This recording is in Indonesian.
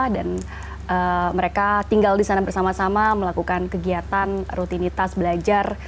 dan mereka tinggal di sana bersama sama melakukan kegiatan rutinitas belajar